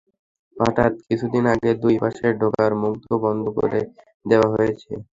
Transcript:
হঠাৎ কিছুদিন আগে দুই পাশের ঢোকার মুখ বন্ধ করে দেওয়া হয়েছে।